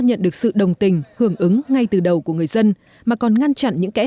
nhận được sự đồng tình hưởng ứng ngay